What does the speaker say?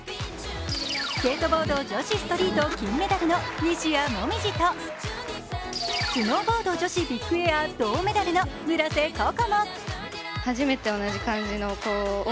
スケートボード女子ストリート金メダルの西矢椛とスノーボード女子ビッグエア銅メダルの村瀬心椛。